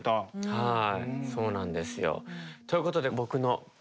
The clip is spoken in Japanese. はい。